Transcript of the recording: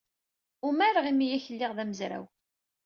Umareɣ imi ay k-liɣ d amezraw.